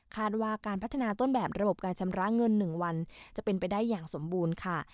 คาดว่าการพัฒนาต้นแบบระบบการชำระเงิน๑วันจะเป็นไปได้อย่างสมบูรณ์ค่ะ